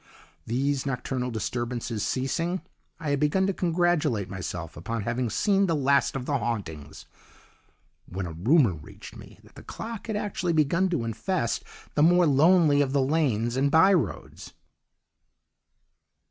"These nocturnal disturbances ceasing, I had begun to congratulate myself upon having seen the last of the hauntings, when a rumour reached me that the clock had actually begun to infest the more lonely of the lanes and by roads.